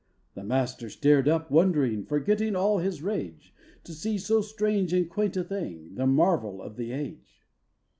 The master stared up, wondering; Forgetting all his rage, To see so strange and quaint a thing The marvel of the age.